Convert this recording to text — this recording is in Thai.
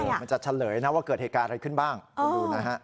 มันจะเฉลยนะว่าเกิดเหตุการณ์อะไรขึ้นบ้างคุณดูนะฮะ